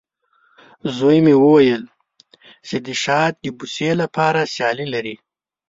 زوی مې وویلې، چې د شات د بوسې لپاره سیالي لري.